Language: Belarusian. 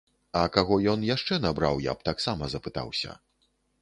А каго ён яшчэ набраў, я б таксама запытаўся.